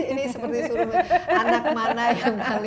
ini seperti suruh anak mana